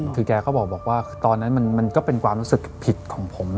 คือแกก็บอกว่าตอนนั้นมันก็เป็นความรู้สึกผิดของผม